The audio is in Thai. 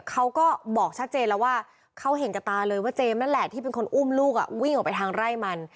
เขาก็บอกชัดเจนแล้วว่าเขาเห็นกับตาเลยว่าเจมส์นั่นแหละที่เป็นคนอุ้มลูกวิ่งออกไปทางไร่มัน